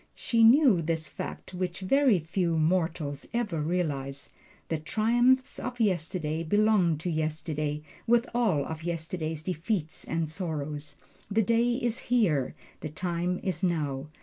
She knew this fact which very few mortals ever realize: The triumphs of yesterday belong to yesterday, with all of yesterday's defeats and sorrows the day is Here, the time is Now.